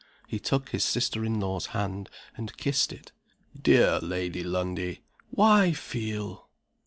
'" He took his sister in law's hand, and kissed it. "Dear Lady Lundie, why feel?"